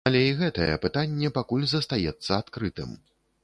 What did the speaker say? Але і гэтае пытанне пакуль застаецца адкрытым.